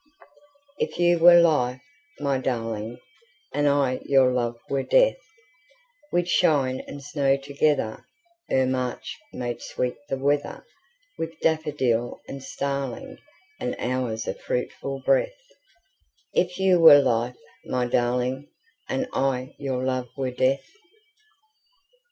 If you were life, my darling, And I your love were death, We'd shine and snow togetherEre March made sweet the weatherWith daffodil and starlingAnd hours of fruitful breath; If you were life, my darling, And I your love were death.